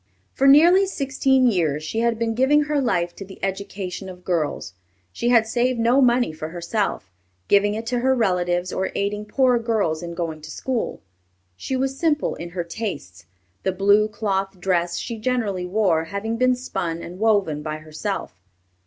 For nearly sixteen years she had been giving her life to the education of girls. She had saved no money for herself, giving it to her relatives or aiding poor girls in going to school. She was simple in her tastes, the blue cloth dress she generally wore having been spun and woven by herself.